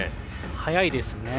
早いですね